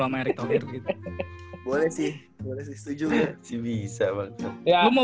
anaknya cakep banget sumpah